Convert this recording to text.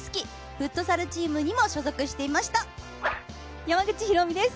フットサルチームにも所属していました山口ひろみです！